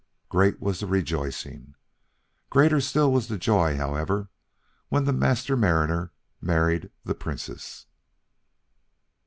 Great was the rejoicing. Greater still was the joy, however, when the Master Mariner married the Princess.